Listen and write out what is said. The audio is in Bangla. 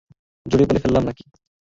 জোরে বলে ফেললাম নাকি?